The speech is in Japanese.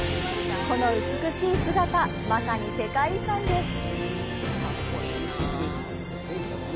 この美しい姿、まさに世界遺産です。